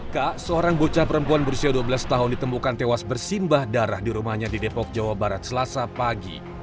ka seorang bocah perempuan berusia dua belas tahun ditemukan tewas bersimbah darah di rumahnya di depok jawa barat selasa pagi